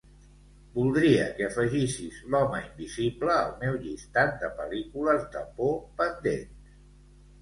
Voldria que afegissis "L'home invisible" al meu llistat de pel·lícules de por pendents.